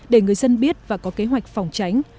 để người dân biết và có kế hoạch phòng tránh